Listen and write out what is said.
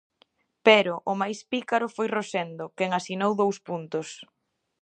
Pero o máis pícaro foi Rosendo, quen asinou dous puntos.